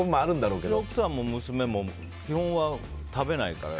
うちの奥さんも娘も基本は食べないから。